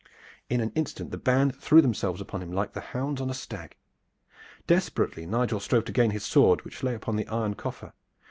In an instant the band threw themselves upon him like the hounds on a stag. Desperately Nigel strove to gain his sword which lay upon the iron coffer.